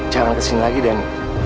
jangan kesini lagi dan